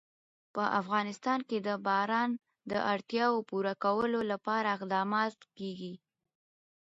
په افغانستان کې د باران د اړتیاوو پوره کولو لپاره اقدامات کېږي.